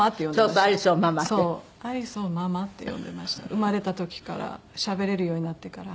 生まれた時からしゃべれるようになってから。